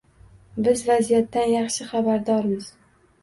Biz vaziyatdan yaxshi xabardormiz.